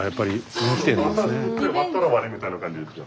朝作って終わったら終わりみたいな感じですよ。